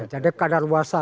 jadi kader luasa